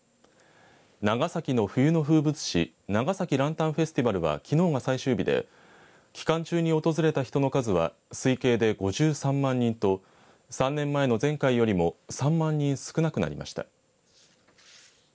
長崎の冬の風物詩長崎ランタンフェスティバルはきのうが最終日で期間中に訪れた人の数は推計で５３万人と、３年前の前回よりも３万人少なくなりました。